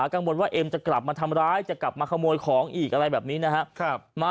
กังวลว่าเอ็มจะกลับมาทำร้ายจะกลับมาขโมยของอีกอะไรแบบนี้นะฮะ